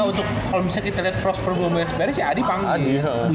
kalau misalnya kita liat prosper belum beres beres ya adi panggil ya